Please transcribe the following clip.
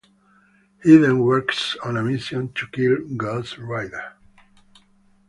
He then works on a mission to kill Ghost Rider.